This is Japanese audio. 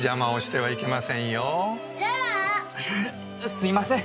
すいません。